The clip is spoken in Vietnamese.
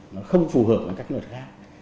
nó không phù hợp với các cái luật khác